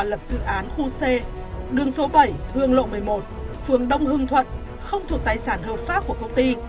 lập dự án khu c đường số bảy hương lộ một mươi một phường đông hưng thuận không thuộc tài sản hợp pháp của công ty